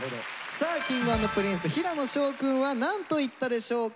さあＫｉｎｇ＆Ｐｒｉｎｃｅ平野紫耀くんはなんと言ったでしょうか？